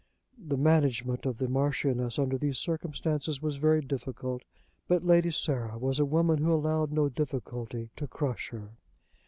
The management of the Marchioness under these circumstances was very difficult, but Lady Sarah was a woman who allowed no difficulty to crush her.